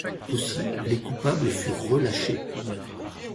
Aussi, les coupables furent relâchés.